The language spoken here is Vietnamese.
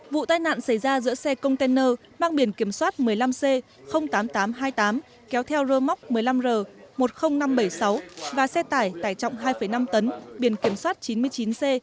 vụ tai nạn xảy ra giữa xe container mang biển kiểm soát một mươi năm c tám nghìn tám trăm hai mươi tám kéo theo rơ móc một mươi năm r một mươi nghìn năm trăm bảy mươi sáu và xe tải tải trọng hai năm tấn biển kiểm soát chín mươi chín c